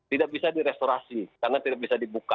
tidak bisa direstorasi karena tidak bisa dibuka